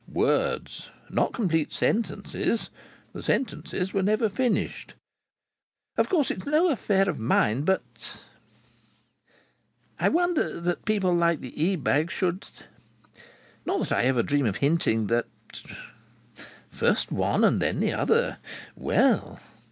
Words! Not complete sentences! The sentences were never finished. "Of course, it's no affair of mine, but " "I wonder that people like the Ebags should " "Not that I should ever dream of hinting that " "First one and then the other well!"